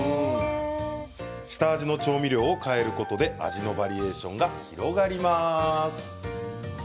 下味の調味料を変えることで味のバリエーションが広がります。